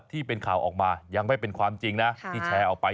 ที่เป็นข่าวออกมายังไม่เป็นความจริงนะที่แชร์ออกไป